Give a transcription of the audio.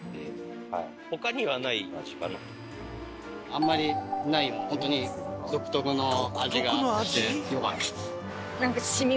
あんまりない本当に独特の味がしてよかったです。